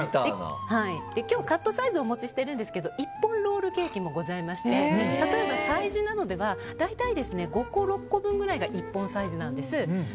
今日、カットサイズをお持ちしてるんですが１本ロールケーキもございまして例えば催事などでは大体５個、６個分が１本サイズなんです。